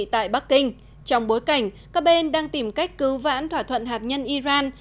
tại bắc kinh trong bối cảnh các bên đang tìm cách cứu vãn thỏa thuận hạt nhân iran